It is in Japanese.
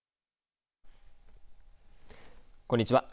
こんにちは。